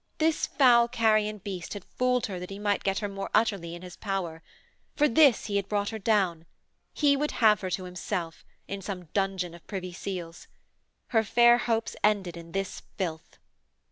This foul carrion beast had fooled her that he might get her more utterly in his power. For this he had brought her down. He would have her to himself in some dungeon of Privy Seal's. Her fair hopes ended in this filth....